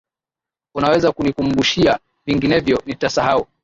Unaweza kunikumbushia? Vinginevyo nitasahau.